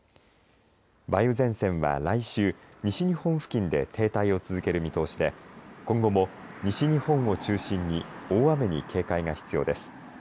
梅雨前線は来週西日本付近で停滞を続ける見通しで今後も西日本を中心に大雨に警戒が必要です。